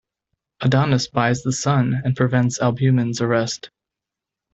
Adonis buys The Sun and prevents Albumen's arrest.